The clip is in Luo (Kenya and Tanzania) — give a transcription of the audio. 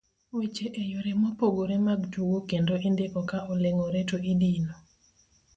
weche e yore mopogore mag tugo kendo indiko ka oleng'ore to idino